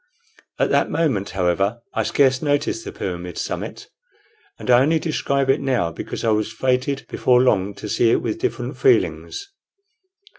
At that moment, however, I scarce noticed the pyramid summit, and I only describe it now because I was fated before long to see it with different feelings.